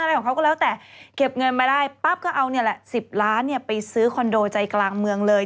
อะไรของเขาก็แล้วแต่เก็บเงินมาได้ปั๊บก็เอานี่แหละ๑๐ล้านไปซื้อคอนโดใจกลางเมืองเลย